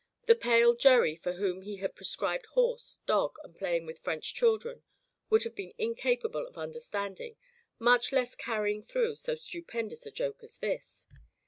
The pale Gerry for whom he had prescribed horse, dog, and playing with French children, would have been incap able of understanding, much less carrying through, so stupendous a joke as this.